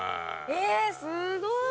えぇすごい！